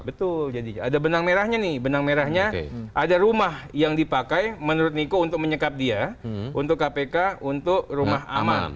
betul jadi ada benang merahnya nih benang merahnya ada rumah yang dipakai menurut niko untuk menyekap dia untuk kpk untuk rumah aman